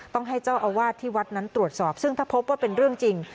ต้องให้เจ้าอาวาสที่วัดนั้นตรวจสอบซึ่งถ้าพบว่าเป็นเรื่องจริง